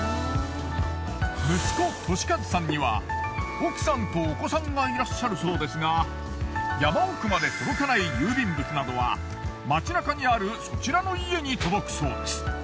息子利数さんには奥さんとお子さんがいらっしゃるそうですが山奥まで届かない郵便物などは街なかにあるそちらの家に届くそうです。